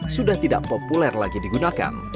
sudah tidak populer lagi digunakan